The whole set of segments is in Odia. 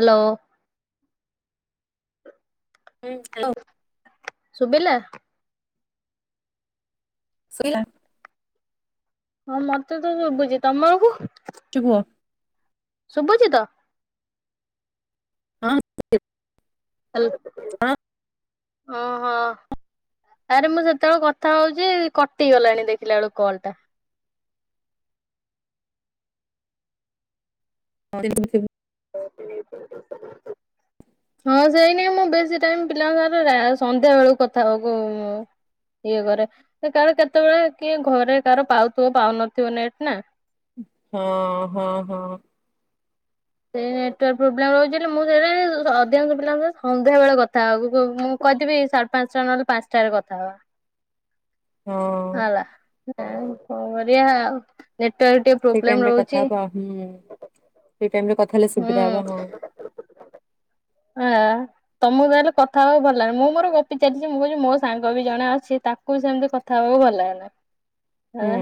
ହାଲୋ। [unintelligible] ଶୁବିଲା। [inaudible] ହଁ ମତେ ତ ଶୁବୁଚି, ତମକୁ? [unintelligible] ଶୁବୁଚି ତ? [unintelligible] ହଁ [unintelligible] ଆରେ ମୁଁ ସେତ--ଳ କଥା ହଉଚି, କଟି ଗଲାଣି ଦେଖିଲା ଳକୁ କଲ୍ ଟା। [unintelligible] [inaudible] ହଁ ସେଇ, ମୁଁ ବେଶୀ ଟାଇମ୍ ପିଲାଙ୍କ ସାଙ୍ଗରେ ରା ସନ୍ଧ୍ୟା ବେଳକୁ କଥା ହବା କୁ ଇଏ କରେ, କାହାର କେତେବେଳେ କିଏ ଘରେ କାହାର ପାଉଥିବ ପାଉନଥିବ ନେଟ୍ ନା। ହଁ ହଁ ହଁ। ସେଇ ନେଟୱାର୍କ ପ୍ରୋବ୍ଲେମ୍ ରହୁଚି ବୋଲି। ମୁଁ ସେ ଅଧିକାଂଶ ପିଲା ସନ୍ଧ୍ୟାବେଳେ କଥା ମୁଁ କହିଥିବି ପାଞ୍ଚ୍ ଟା ନହେଲେ ପାନ୍‌ଷ୍ଟା ରେ କଥା ହବା। ହଁ [unintelligible] ସେଇ ପୃବ୍ଲେମ୍ ଟାଇମରେ କଥା ରଉଚି। ହବା ହୁଁ, ସେଇ ଟାଇମ୍ ରେ ହୁଁ ଆ ତମକୁ ଆଲୋ କଥା ହବା ଭଲ ଲାଚେ ମୁଁ ମୋର ଗପି ଚାଲିଚି ମୁଁ କହୁଚି ମୋ ସାଙ୍ଗ ବି ଜଣେ ଅଛି ତାକୁ ତା ସେମିତି କଥା ହବାକୁ ଭଲ ଲାଗେନା। ହୁଁ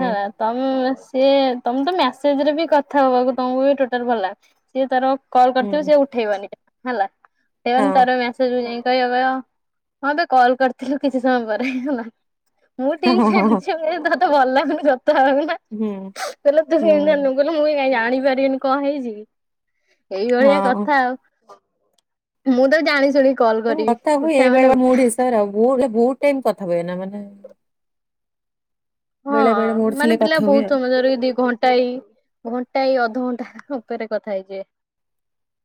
ସିଏ ତମେ ତ ମେସେଜ ରେ ବି କଥା ହବାକୁ ତମକୁ ବି ଟୋଟାଲ ଭଲ ସିଏ ତାର କଲ୍ କରିଥିବ ହୁଁ ସିଏ ଉଠେଇବନି ହେଲା ହଁ ହେବନି ତାର ହେଠୁ ଯାଇଁ କହିବ କଇହ ମତେ କଲ୍ କରିଥିଲୁ କିଛି ସମୟ ପରେ ହେଲା। ମୁଁ ହଁ ଠିକ୍ ହଁ ସେ ହଁ ହଁ ଜାଣିଚି ତତେ ଭଲ ଲାଗୁନି କଥା ହବା ପାଇଁନା ହୁଁ କଇଲେ ତୁ ହୁଁ କିଛି ଜାଣିନୁ। କଇଲେ ମୁଇ କାଇଁ ଜାଣିପାରିବିନି କଆଁ ହେଇଚି କି ଏଇଭଳିଆ ହଁ କଥା ଆଉ ମୁଁ ତ ଜାଣି ଶୁଣି କଲ୍ କରିବି କଥା ହୁଏ ଉଠା ବେଳେ ମାନେ ବେଳେ ଉଠା ମୁଡ୍‌ ହିସାବରେ ଆଉ ମୁଁ ଟିକେ ବହୁତ ଟାଇମ କଥା ହୁଏ ନା ମାନେ ହଁ ବେଳେ ବେଳେ ମୁଡ୍ ମାନେ ଥିଲେ ପିଲା କଥା ହୁଏ ଆଉ ବହୁତ ସମୟ ଧର ଦି ଘଣ୍ଟା ଘଣ୍ଟାଇ ଘଣ୍ଟାଇ ଅଧଘଣ୍ଟା ଉପରେ କଥା ହେଇଯିବେ।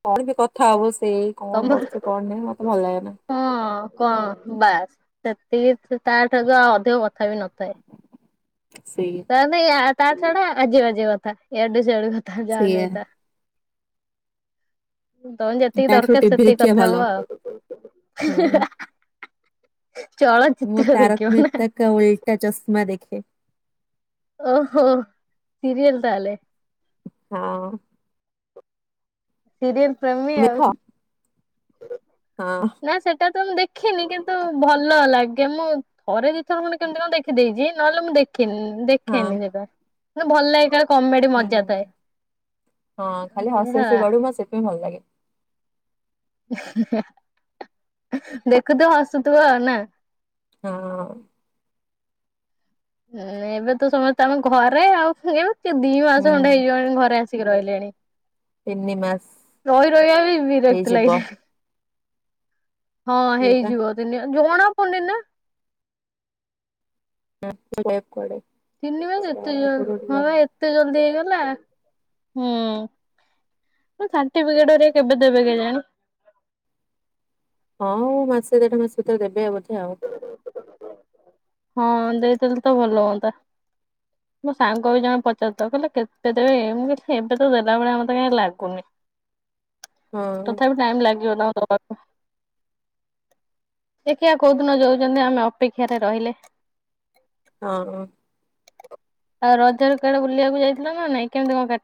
କଣ ବି କଥା ହବ ସେଏ କଣ ତମର କରୁଚୁ କଣ ନାହି ମତେ ଭଲ ଲାଗେ ନା। ହଁ କଣ ବାସ୍ ସେତିକି ତା ଠାରୁ ଆଉ ଅଧିକ କଥା ବି ନଥାଏ। ସେଇ ତା ତା ଛଡା ଆଜ୍ୟ ବାଜ୍ୟ କଥା ୟାଡୁ ସେଆଡୁ କଥା ଯାହା ସେଇଆ ନାଇଁ ତା। ତମେ ଯେତିକି ତାଠାରୁ ଦରକାର ଟିଭି ସେତିକି ଦେଖିବା କଥା ହୁଅ ଭଲ ଆଉ ହଁ ଚଳଚିତ୍ର ଦେଖିବ ନା। କରବୁ ଏଇଟା ଚଶମା ଦେଖେ। ଓହୋ ସିରିଏଲ ତାହେଲେ। ହଁ। ସିରିଏଲ୍ ପ୍ରେମି ମେଘ ଆଉ ହଁ। ନା ସେଟା ତ ମୁଁ ଦେଖିନି କିନ୍ତୁ ଭଲ ଲାଗେ ମୁଁ ଥରେ ଦୁଇଥର ମାନେ କେମିତି କଣ ଦେଖିଦେଇଚି ନହେଲେ ମୁଁ ଦେଖେନି ହଁ ଦେଖେନି ସେଟା ଭଲ ଲାଗେ କା କମେଡି ମଜା ଥାଏ ହୁଁ। ହଁ ଖାଲି ହସି ହେଲା। ହସି ଗଡୁ ସେଥିପାଇଁ ଭଲ ଲାଗେ। ଦେଖୁଥିବ ହସୁଥିବ ଆଉ ନା। ହଁ। ଏ ଏବେ ତ ସମସ୍ତେ ଆମ ଘରେ ଆଉ ଖେଳିବ କିଏ ଦିଇ ମାସ ହୁଁ ଖଣ୍ଡେ ହେଇଯିବଣି ଘରେ ଆସି ଆସିକି ରହିଲେଣି ତିନି ମାସ। ରହି ରହିବା ବି ବିରକ୍ତ ହେଇଯିବ ଲାଗିଲାଣି। ହଁ ଏଇବା ହେଇଯିବ ଦିନି ଜଣା ପଡ଼ନି ନା। ହଁ ତମେ କୁଆଡ଼େ ତିନି ମାସ ଏତେ ଜ ହଁ ଏତେ ଜଲଦି ହେଇଗଲା ହୁଁ। ମୋ ସାର୍ଟିଫିକେଟ ହେରିକା କେବେ ଦେବେ କେଇଜାଣି। ହଁ ମାସେ ଦେଢ ମାସେ ଭିତରେ ଦେବେ ବୋଧେ ଆଉ ହଁ ଦେଇଦେଲେ ତ ଭଲ ହୁଅନ୍ତା। ମୋ ସାଙ୍ଗ ବି ଜଣେ ପଚାରୁ ଥିଲେକହିଲେ କେତେ ଦେବେ ମୁଁ କହିଲି ଏବେ ତ ଦେଲା ଭଳିଆ ମତେ କାହିଁ ଲାଗୁନି। ହଁ ତଥାପି ଟାଇମ ଲାଗିିବ ତାଙ୍କୁ ଦବାକୁ। ଦେଖିିଆ କୋଉ ଦିନ ଦୋଉଚନ୍ତି ଆମେ ଅପେକ୍ଷାରେ ରହିଲେ। ହଁ ହଁ। ଆଉ ରଜରେ କୁଆଡେ ବୁଲିବାକୁଯାଇଥିଲ ନା ନାଇଁ କେମିତି କଅଁ କା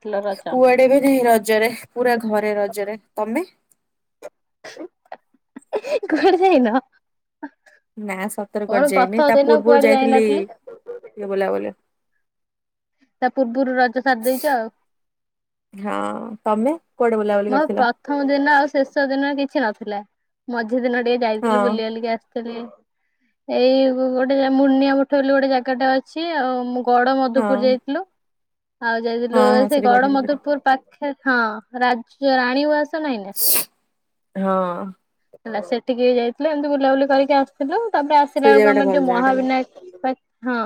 କୁଆଡେ ବି ନାହିଁ ରଜରେ ପୁରା ଘରେ ରଜରେ ତମେ? କୁଆଡେ ଯାଇନ। ନା ସତରେ ମୋର କୁଆଡେ ଯାଇନି ପ୍ରଥମ ତା ଦିନ ପୂର୍ବରୁ କୁଆଡେ ଯାଇଥିଲି ଯାଇନଥିଲି ଇଏ ବୁଲା ବୁଲି ତା ପୂର୍ବରୁ ରଜ ସାରି ଦେଇଛ ଆଉ। ହଁ ତମେ କୁଆଡେ ବୁଲାବୁଲି ମୋ କରିଥିଲ? ପ୍ରଥମ ଦିନ ଆଉ ଶେଷ ଦିନ କିଛି ନଥିଲା ମଝି ଦିନ ଟିକେ ହଁ ଯାଇଥିଲି ବୁଲି ବାଲିକି ଆସି କେରେ ଏଇ ଗୋଟେ ମୁର୍ନିଆ ମୁଠ ବୋଲି ଗୋଟେ ଜାଗାଟା ଅଛି ଆଉ ମୁଁ ବଡ ମଧୁପୁର ହଁ। ଯାଇଥିଲୁ ଆଉ ହଁ ଯାଇଥିଲୁ ହଁ ସେ ସେଠି ବଢିଆ ଜାଗାଟା। ଗଡମଧୁପୁର ପା ଖେ ହଁ ରାଯା ରାଣୀ ଉଆସ ନାହିଁ ନା? ହଁ। ହେଲା ସେଠିକି ବି ଯାଇଥିଲେ ଏମିତି ବୁଲାବୁଲି କରିକି ଆସିଥିଲୁ ତାପରେ ସେ ଆସିଲା ବେଳକୁ ଜାଗାଟା ଆମର ଭଲ ଯୋଉ ଜାଗାଟା ନା। ମହାବିନାୟକ ପାକ୍ ହଁ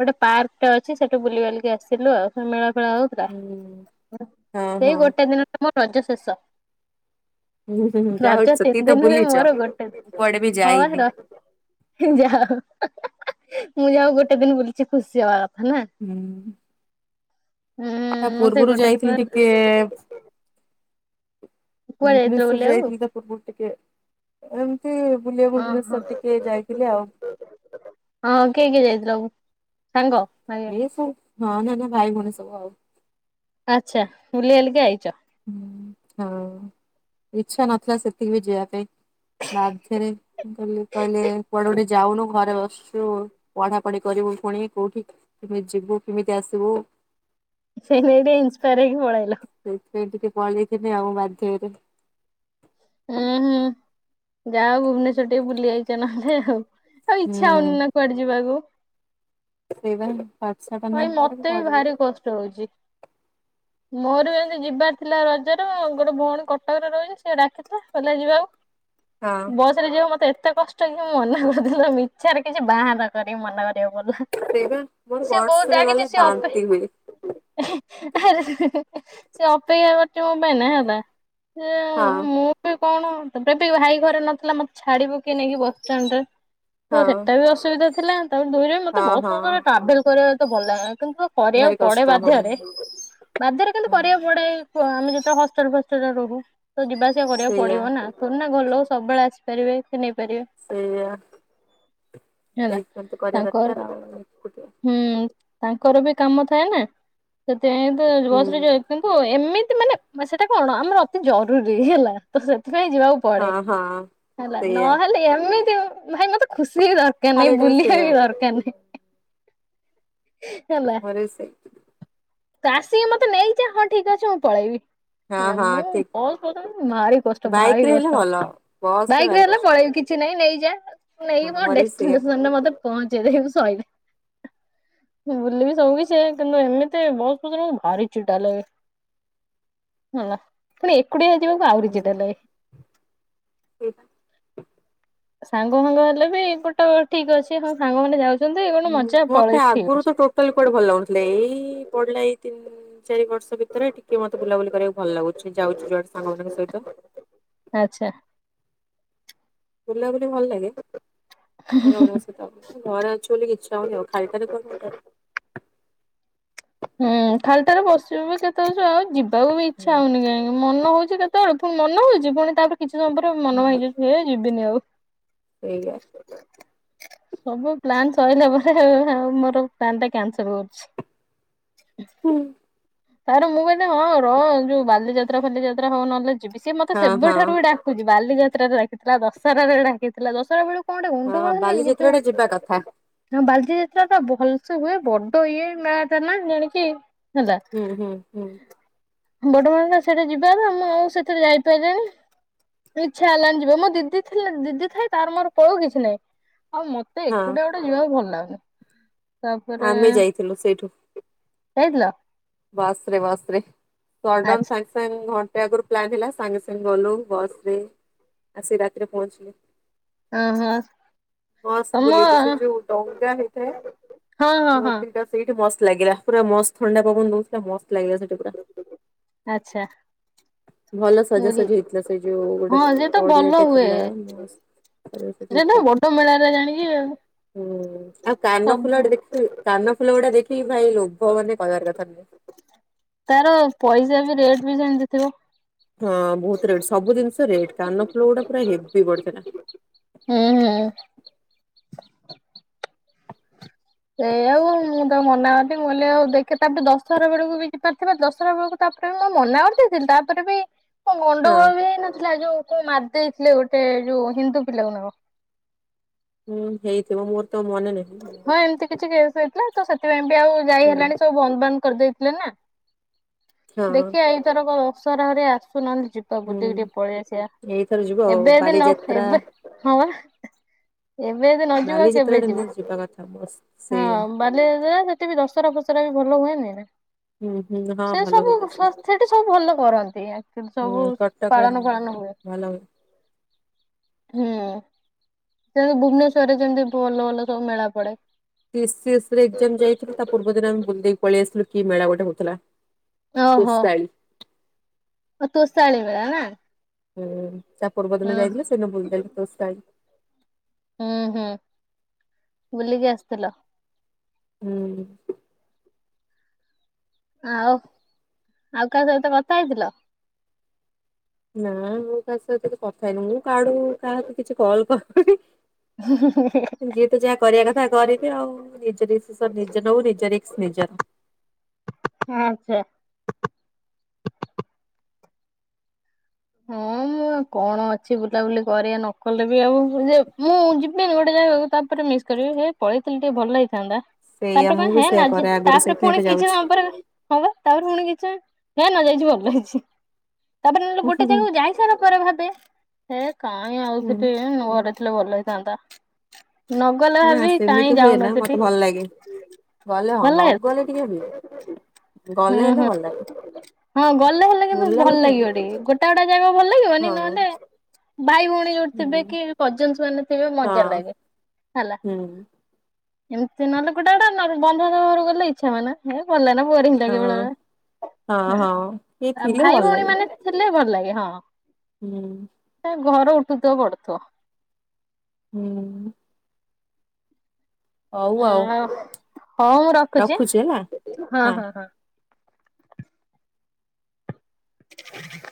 ଗୋଟେ ପାର୍କ ଟା ଅଛି ସେଠୁ ବୁଲ ବଲିକି ଆସିଲୁ ଆଉ ସେ ମେଳା ଫେଳା ଆଉ ହୁଁ। [unintelligible] ହଁ ସେଇ ହଁ ଗୋଟେ ଦିନରେ ମ ରଜ ଶେଷ। ହୁଁ ହୁଁ ହୁଁ ଯାହା ହଉ ରଜ ସେତିକି ତିନି ତ ଦିନ ହୁଏ ବୁଲିଛ ମୋର ଗୋଟେ ମୁଁ ଦିନ କୁଆଡେ ବି ହଁ ଯାଇନି। କିରା ଯାହାହେଉ ମୁଁ ଯାଉ ଗୋଟେ ଦିନ ବୁଲିଚି ଖୁସି ହବା କଥା ନା ହୁଁ। ହୁଁ ତା ମୋର ସେଇ ପୂର୍ବରୁ ଗୋଟେ ଦିନ ଯାଇଥିଲି ଟିକେ କୁଆଡେ ଯାଇଥିଲ ଭୁବନେଶ୍ଵର ବୁଲିବାକୁ? ଯାଇଥିଲି ତ ପୂର୍ବରୁ ଟିକେ ଏମିତି ବୁଲିବା ଓହୋ ଭୁବନେଶ୍ଵର ଟିକେ ଯାଇଥିଲି ଆଉ। ହଁ କିଏ କିଏ ଯାଇଥିଲ? ସାଙ୍ଗ ଭା ଏସୁ ନନ ଦ ଭାଇ ଭଉଣୀ ସବୁ ଆଉ। ଆଛା ବୁଲି ବାଲିକି ଆଇଚ? ହୁଁ ହଁ ଇଚ୍ଛା ନଥିଲା ସେତିକି ବି ଯିବା ପାଇଁ ବାଧ୍ୟରେ କହିଲି କହିଲେ କୁଆଡେ କୁଟେ ଯାଉନୁ ଘରେ ବସଚୁ ପଢା ପଢି କରିବୁ ପୁଣି କୋଉଠି କେମି ଯିବୁ କେମିତି ଆସିବୁ? ସେ ସେଇଠି ଇନ୍ସପାୟାର ହେଇକି ପଳାଇଲ। ସେଇଥିପାଇଁ ଟିକେ ପଳେଇଥିଲେ ଆଉ ବାଧ୍ୟରେ। ହୁଁ ମୁ ଯାହୋଉ ଭୁବନେଶ୍ଵର ଟିକେ ବୁଲି ଆଇଚ ନହେଲେ ତ ଇଚ୍ଛା ହୁଁ। ହଉନି ନା କୁଆଡେ ଯିବାକୁ ସେଇବା ବର୍ଷା ଟା ନାହିଁ ଭାଇ କୁଆଡେ ମତେ ବି ପଳେଇଲି। ଭାରି କଷ୍ଟ ହଉଚି। ମୋର ଏମିତି ଯିବାର ଥିଲା ରଜରେ ଗୋଟେ ଭଉଣୀ କଟକରେ ରହୁଚି ସେ ଡାକି ଥିଲା ଚାଲଯିବା ହଁ ବସ ତ ଯିବା ମତେ ଏତେ କଷ୍ଟ କି ମନା କରଦେଲି ମିଛରେ କିଛି ବାହାନା କରିିକି ମନା କରିବାକୁ ପଡିଲା। ସେଇବା ମୋର ସିଏ ବସ୍ ବହୁତ ରେ ଡାକିଚି ଗଲେ ସିଏ ଅପେ ବାନ୍ତି ହୁଏ। ସେ ଅପେକ୍ଷା କରଚି ମୋ ପାଇଁ ନା ହେଲା ସିଏ ହଁ। ତେ କଣ ତପରେ ତ ଏଭାଇ ଘରେ ନଥିଲା ମୋତେ ଛାଡିବ କିଏ ନେଇକି ବସଷ୍ଟାଣ୍ଡ ରେ। ତ ହଁ ସେଟା ବି ଅସୁବିଧା ଥିଲା ତା ଦୁଇରେ ମତେ ହଁ ବହୁ ହଁ ସମୟେ ଟ୍ରାଭେଲ କରିବା ଏତେ ଭଲ ଲାଗେନା କିନ୍ତୁ କରିବାକୁ ଭାରି ପଡେ କଷ୍ଟ ହଁ ବାଧ୍ୟରେ ହଁ। ବାଧ୍ୟରେ କିନ୍ତୁ କରିବା ପଡେ ସେ ଆମେ ଯେତେବେଳେ ହଷ୍ଟେଲରେ ଫଷ୍ଟେଲରେ ରହୁ ତ ଯିବା ଆସିବା କରିବାକୁ ସେଇଆ ପଡିବ ନା? ତୋମାନେ ଘର ଲୋକ ସବୁବେଳେ ଆସିପାରିବେ କି ନେଇପାରିବେ। ସେଇଆ ହେଲା। ସେଟଥି ପାଇ କରିବା ତାଙ୍କର ଦରକାର ଆଉ ଏକୁଟିଆ ହୁଁ ତାଙ୍କର ବି କାମ ଥାଏ ନା ସେଥିପାଇଁ ତ ହୁଁ। ବ୍ରସ ରେ ଯାଏ କିନ୍ତୁ ଏମିତି ମାନେ ମା ସେଟା କଣ ଆମର ଅତି ଜରୁରୀ ହେଲା ତ ସେଥିପାଇଁ ଯିବାକୁ ପଡେ ହଁ ହଁ ହେଲା ସେଇଆ ନହେଲେ ଏମିତି ଭାଇ ମତେ ଖୁସି ର କାନାଇଁ ଖାଲିଟାରେ ବୁଲିବା ସେଇଆ ବି ଦରକାର ନାହିଁ। ହେଲା ମୋର ବି ସେଇ ତ ଆସିକି ମତେ ନେଇଚ ହଁ ଠିକ ଅଛି ମୁଁ ପଳେଇବି। ହଁ ହେଲା ହଁ ମୁଁ ଠିକ। ବସ ଗଲେ ଭାରି କଷ୍ଟ ବାଇକ ଭାରି ରେ ହେଲେ କଷ୍ଟ ଭଲ ବସ ରେ ବାଇକରେ ଭାରି ହେଲେ କଷ୍ଟ ପଳେଇ କିଛି ନାଇଁ ନେଇଯା ହଁ ନେଇକି ମୋ ମୋର ବି ସେଇଆ। ଡେଷ୍ଟିନେସନରେ ମତେ ପହଞ୍ଚେଇଦେ ଶଇଲ ବୁଲିବି ସବ କିିଛି କିନ୍ତୁ ଏମିତି ବସରେ ଗଲେ ଭାରି ଚିଟା ଲାଗେ। ହଁବା ଖଲି ଏକୁଟିଆ ଯିବାକୁ ଆହୁରି ଚିଡା ଲାଗେ। ଏକା ସାଙ୍ଗ ଫାଙ୍ଗ ହେଲେ ବି ପେଟ ଠିକ ଅଛି ହଁ ସାଙ୍ଗ ମାନେ ଯାଉ ଚନ୍ତି ଏଇ କଣ ମଜା ମତେ ପଳେଇବି ଆଗରୁ ଠିକ୍ ତ ଅଛି। ଟୋଟାଲି କୁଆଡେ ଭଲ ଲାଗୁଥିଲେ ଏଇ ପଢିଲା ଏଇ ତିନି ଚାରି ବର୍ଷ ଭିତରେ ଟିକେ ମତେ ବୁଲାବୁଲି କରିବାକୁ ଭଲ ଲାଗୁଛି ଯାଉଛି ଯୁଆଡେ ସାଙ୍ଗମାନଙ୍କ ସହିତ। ଆଛା। ବୁଲା ବୁଲି ଭଲ ଲାଗେ? ସାଙ୍ଗ ମାନଙ୍କ ସହିତ। ତ ମୁଁ ଘରେ ଅଛି ବୋଲି ଇଚ୍ଛା ହଉନି ଆଉ ଖାଲଟାରେ କଣ? ହୁଁ ଖାଲିଟାରେ ବସିବ ବି କେତେଛୁ ଆଉ ଯିବାକୁ ବି ଇଚ୍ଛା ହୁଁ ହଉନି କାହିଁକି ମନ ହଉଚି କେତ୍ ତର ଫୁଣି ମନ ହଉଚି ପୁଣି ତାପରେ କିଛି ସମୟ ପରେ ମନ ଭାଙ୍ଗିଯାଉଚି ଏ ଯିବିନି ଆଉ। ସେଇଆ ସବୁ ପ୍ଲାନ୍ ସଇଲା ପରେ ଆଉ ମୋର ପ୍ଲାନ୍ ଟା କ୍ୟାନସଲ୍ କରୁଛି। ହ ହୁଁ। ତାପରେ ମୁଁ କହିଲେ ହଁ ରହ ଯୋଉ ବାଲିଯାତ୍ରା ଫାଲି ଯାତ୍ରା ହଉ ନହେଲେ ଯିବି। ସିଏ ମତେ ହଁ ହଁ ସେବେଠାରୁ ଡା କହୁଚି। ବାଲିଯାତ୍ରାରେ ଡକିଥିଲା। ଦଶହରାରେ ବି ଡାକିଥିଲା। ଦଶହରା ବେଳୁକ୍ କଣ ଗୋଟେ ଗଣ୍ଡଗୋଳ ହଁ ହେଲାଣି କି ବାଲିଯାତ୍ରା ଯୋଉ ଟା ଯିବା କଥା ହଁ ବାଲଜି ଯାତ୍ରାଟା ଭଲସେ ହୁଏ। ବଡ ଇଏ ମେଳାଟା ନା ଜାଣିକି ହେଲା। ହୁଁ ହୁଁ ହୁଁ। ବଡବାବା ସେଇଟା ଯିବା ନା ମୁଁ ଆଉ ସେଥିରେ ଯାଇପାରିଲିଣି। ଇଚ୍ଛା ହେଲାନି ଯିବାକୁ। ମୋ ଦିଦି ଥିଲା ଦିଦି ଥାଇ ତାର ମୋର ପଳଉ କିଛି ନାହିଁ। ଆଉ ମତ୍ ତେ ହଁ ଏକୁଟିଆ ଗୋଟେ ଯିବାକୁ ଭଲ ଲାଗୁନି। ତାପରେ ଆମେ ଯାଇଥିଲୁ ସେଇଠୁ ଯାଇଥିଲ? ବସ୍ ରେ ବସ୍ ରେ ସଡନ୍ ଆଚ୍ଛା ସାଙ୍ଗ ସାଙ୍ଗେ ଘଣ୍ଟେ ଆଗରୁ ପ୍ଲାନ୍ ହେଲା ସାଙ୍ଗେ ସାଙ୍ଗେ ଗଲୁ ବସ୍ ରେ ଆ ସେ ରାତିରେ ପହଞ୍ଚିଲି। ଆଁ ହାଁ। ମସ୍ତ ବୁଲିଲୁ ସେ ଯୋଉ ଟଙ୍ଗା ହେଇଥାଏ ହଁ ହଁ ନ ହଁ ତିନଟା। ସେଇଠି ମସ୍ତ ଲାଗିଲା। ପୁରା ମସ୍ତ ଥଣ୍ଡା ପବନ ଦଉଥିଲା। ମସ୍ତ ଲାଗିଲା ସେଠି। ପୁରା। ଆଚ୍ଛା। ଭଲ ସଜାସଜି ହେଇଥିଲା ସେ ଯୋଉ ଗୋଟେ ହଁ ସେ ତ ଭଲ ପଡିଆଟେ ଥିଲା। ମସ୍ତ୍ ତାପରେ ସେଇଠି ସେଟା ବଡ ମେଳାରେ ଜାଣି ହୁଁ ଆଉ କାନ ଫୁଲ ସବୁ ଗୋଟେ ଦେଖୁ କାନ ଫୁଲ ଗୁଡା ଦେଖ୍। କି ଭାଇ ଲୋଭ ମାନେ କହିବାର କଥା ନୁହେଁ। ତାର ପଇସା ବି ରେଟ୍ ବି ସେମିତି ଥିବ। ହଁ ବହୁତ ରେଟ ସବୁ ଜିନିଷ ରେଟ୍ କାନ ଫୁଲ ଗୁଡା ପୁରା ହେବି ବଢିଥିଲା। ହୁଁ ହୁଁ। ସେଇ ଆଉ ମୁଁ ତାକୁ ମନା ଅନ୍ତି ମୁଁହେଲେ ଆଉ ଦେଖେ ତାପରେ ଦଶହରା ବେଳକୁ ବି ଯାଇପାରିଥିବା ଦଶହରା ବେଳୁକୁ ତାପରେ ମୁଁ ମନା [unintelligible] ଥିଲି ତାପରେ ବି କଁ ହଁ ଗଣ୍ଡଗୋଳ ବି ହେଇ ନଥିଲା ଯୋଉ କେ ମାରି ଦେଇଥିଲେ ଗୋଟେ ଯୋଉ ହିନ୍ଦୁ ପିଲା କୁ ନା କଣ? ହୁଁ ହେଇଥିବ ମୋର ତ ମନେ ନାହିଁ। ହ ଏମତି କିଛି କେସ୍ ହେଇଥିଲା ତ ସେଥିପାଇଁ ବି ଆଉ ଯାଇ ହୁଁ ହେଲାଣି ସବୁ ବନ୍ଦ ବାନ୍ଦ କରିଦେଇଥିଲେ ନା। ହଁ। ଦେଖିଆ ଏଇଥରକ ଦଶହରା ହେରିଆ ଆସୁ ନହେଲେ ଯିବ୍ ତାକ ବୁଲଦେଇକି ହୁଁ ଟିକେ ପଳେଇ ଆସିଆ। ଏଇଥର ଯିବ ଆଉ ଏବେ ଅଦି ନ ବାଲିଯାତ୍ରା ଏବେ ହଁ ବା ଏବେ ଯଦି ନ ଯିବ? କୁଆଡେ ଯଦି ଯିବା କଥା ଉଫ୍ ସେଇଆ ବାଲିଯାତ୍ରା ସେଠି ବି ଦଶହରା ଫସରା ବି ଭଲ ହୁଏନି ନା। ହୁଁ ହୁଁ ହଁ ସେ ଭଲ ସବୁ ହୁଏ ଦଶହରା। ସ୍ୱାସ୍ଥ୍ୟଟି ସବୁ ଭଲ କରନ୍ତି। ସବୁ ହୁଁ କଟକରେ ପାଳନ ହୁଁ। ଫାଳନ ହୁଏ। ଭଲ ହୁଏ। ହୁଁ ସେମତି ଭୁବନେଶ୍ଵରରେ ଯେମତି ଭଲ ଭଲ ସବୁ ମେଳା ପଡେ। ଟି ସି ଏସ୍ ରେ ଏକ୍ଜାମ୍ ଯାଇଥିଲୁ ତା ପୂର୍ବ ଦିନ ଆମେ ବୁଲଦେଇକି ପଳେଇ ଆସିଲୁ କି ମେଳା ଗୋଟେ ହଉଥିଲା। ଓହୋ ତୋଷାଳି ତୋଷାଳୀ ମେଳା ନା? ହୁଁ ତା ପୂର୍ବ ଦିନ ହଁ ଯାଇଥିଲେ ସେଦିନ ବୁଲିବାଲିକି ବାସ୍ ଆଇଲି। ହୁଁ ହୁଁ ବୁଲିକି ଆସଥିଲ? ହୁଁ। ଆଉ ଆଉ କାହା ସହିତ କଥା ହେଇଥିଲ? ନା ମୁଁ କାହା ସହିତ ତ କଥା ହେଇନି ମୁଁ କାଡୁ କାହାକୁ କିଛି କଲ କରୁନି। ହଁ ଯିଏ ତ ଯାହା କରିବା କଥା କରିବି ଆଉ। ନିଜର ଦିଶିସନ୍ ନିଜେ ନେବୁ ନିଜ ରିଷ୍କ୍ ନିଜର। ହଁ ଆଛା। ହଁ ମୁଁ କଣ ଅଛି ବୁଲାବୁଲି କରିବା ନ କଲେ ବି ଆଉ ମୁଁ ଯିବିନି ଗୋଟେ ଜାଗାକୁ ତା ମିସ୍ କରିବି ହେ ପଳେଇଥିଲି ଟିକେ ଭଲ ଲାଗିଥାନ୍ତା। ସେଇଆ ତାପରେ କଣ ମୁଁ ବି ହେ ସେଇଆ ନା କରେ ଆଗରୁ ତାପରେ ସେଇଥିପାଇଁ ଏବେ ପୁଣି କିଛି ଯାଉଛି। ସମୟ ପରେ ହଁ, ବା ତାପରେ ପୁଣି କିଛି ହେ ନ ଯାଇଛି ଭଲ ଲାଗଛି। ତାପରେ ହୁଁ ହୁଁ ଇ ସାରା ପରେ ଭାବେ ହେ କାଇଁ ଆଉ ସେଠି ହୁଁ ନ ଘରେ ଥିଲେ ଭଲ ହେଇଥାନ୍ତା। ନଗଲେ ନା ଭାବି କାହିଁ ସେମିତି ହୁଏ ନା ଯାଉନଥିଲି ମତେ ଭଲ ଲାଗେ। ଗଲେ ହଁ ନ ଭଲ ଗଲେ ଟିକେ ହୁଏ ହଁ ଗଲେ ହେଲେ ହଁ ଭଲ ଲାଗେ ହଁ ଗଲେ ଭଲ କିନ୍ତୁ ଭଲ ଲାଗିବ ଟିକେ ଗୋ ଏତେ ଗଟା ଜାଗକ ଭଲ ଲାଗିବନି ହଁ। ନହେଲେ ଭାଇ ଭଉଣୀ ହୁଁ ଥେ କି କଜନ ମାନେ ଥିବେ ମଜା ହଁ ଲାଗେ ହେଲା। ହୁଁ ଏମିତି ନହଲେଟେ ଗଟେ ବନ୍ଧ ଘର ଗଲେ ଇଚ୍ଛା ହାନ ନା। ହେ ଗଲେ ନା ବୋରିଂ ଲାଗେ ହଁ ହଁ ବେଳେବେଳେ ହଁ କିଏ ହଁ ଥିଲେ ଭଲ ଭାଇ ଭଉଣୀ ଲାଗେ ମାନେ ଲେ ଭଲ ଲାଗେ ହଁ ହୁଁ ଘର ଉଠୁଥିବ ପଡୁଥିବ। ହୁଁ ହଉ ଆଉ। ହଁ ମୁଁ ରଖୁଛି ହଁ ହଁ ହଁ [unintelligible]